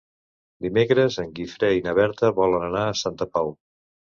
Dimecres en Guifré i na Berta volen anar a Santa Pau.